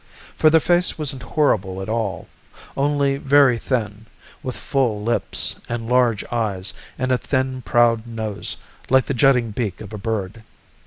For the face wasn't horrible at all, only very thin, with full lips and large eyes and a thin proud nose like the jutting beak of a bird.